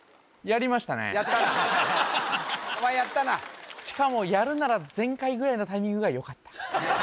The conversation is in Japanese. やったなお前やったなしかもやるなら前回ぐらいのタイミングがよかった